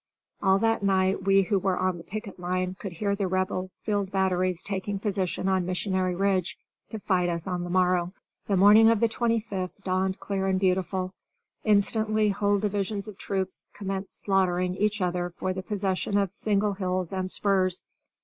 All that night we who were on the picket line could hear the Rebel field batteries taking position on Missionary Ridge, to fight us on the morrow. The morning of the 25th dawned clear and beautiful. Instantly whole divisions of troops commenced slaughtering each other for the possession of single hills and spurs.